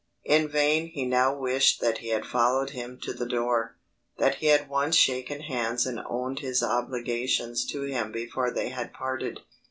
In vain he now wished that he had followed him to the door that he had once shaken hands and owned his obligations to him before they had parted.